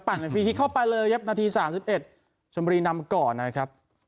ปั่นฟีฮิกเข้าไปเลยครับนาทีสามสิบเอ็ดชนบุรีนำก่อนนะครับ